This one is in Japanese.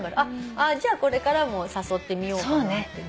じゃあこれからも誘ってみようかなって。